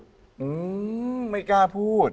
อืมไม่กล้าพูด